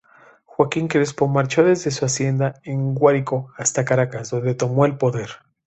Joaquín Crespo marchó desde su hacienda en Guárico hasta Caracas, donde tomó el poder.